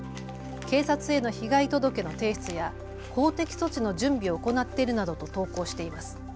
警察への被害届の提出や法的措置の準備を行っているなどと投稿しています。